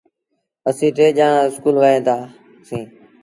اسيٚݩ ٽي ڄآڻآن اسڪول وهيتآ سيٚݩ۔